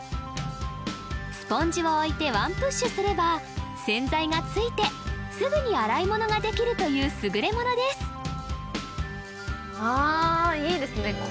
スポンジを置いてワンプッシュすれば洗剤がついてすぐに洗い物ができるというすぐれものですああいいですね